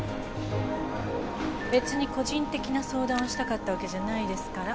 別に個人的な相談をしたかったわけじゃないですから。